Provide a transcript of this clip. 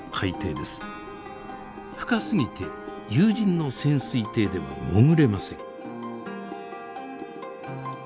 深すぎて有人の潜水艇では潜れません。